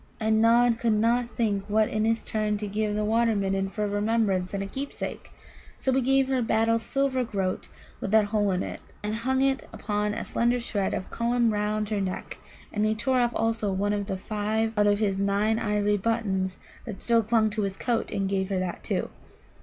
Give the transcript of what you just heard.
And Nod could not think what in his turn to give the Water midden for a remembrance and a keepsake. So he gave her Battle's silver groat with the hole in it, and hung it upon a slender shred of Cullum round her neck, and he tore off also one of the five out of his nine ivory buttons that still clung to his coat, and gave her that, too.